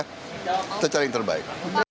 kita cari yang terbaik